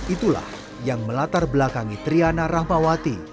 itulah yang melatar belakangi triana rahmawati